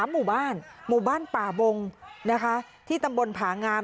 หมู่บ้านหมู่บ้านป่าบงนะคะที่ตำบลผางาม